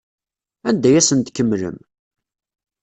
Anda ay asen-tkemmlem?